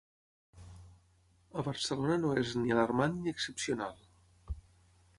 A Barcelona no és ‘ni alarmant ni excepcional’